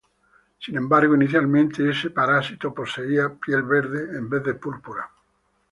Sin embargo inicialmente este Parásito poseía piel verde en vez de púrpura.